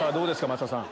増田さん。